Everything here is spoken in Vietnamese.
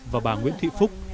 và bà nguyễn thị phúc